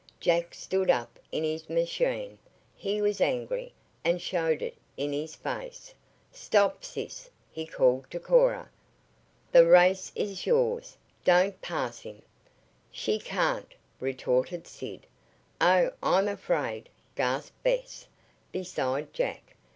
Jack stood up in his machine. He was angry, and showed it in his face. "Stop, sis," he called to Cora. "The race is yours. Don't pass him." "She can't!" retorted Sid. "Oh, I'm afraid!" gasped Bess, beside Jack.